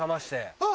あっ！